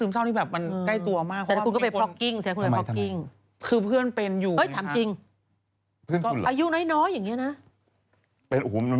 จริง